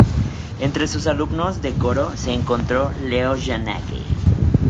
Entre sus alumnos de coro se encontró Leoš Janáček.